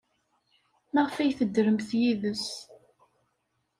Maɣef ay teddremt yid-s?